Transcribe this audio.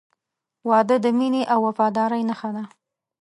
• واده د مینې او وفادارۍ نښه ده.